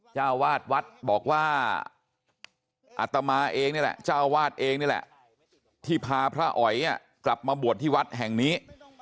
เจ้าวาดวัดบอกว่าอัตมาเองนี่แหละเจ้าวาดเองนี่แหละที่พาพระอ๋อยกลับมาบวชที่วัดแห่งนี้